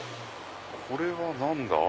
これは何だ？